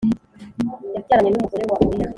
yabyaranye n umugore wa Uriya